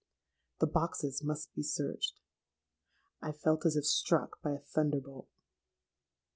The boxes must be searched. I felt as if struck by a thunderbolt.